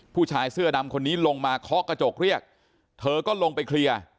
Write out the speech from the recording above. ผู้ชายเสื้อดำคนนี้ลงมาเคาะกระจกเรียกเธอก็ลงไปเคลียร์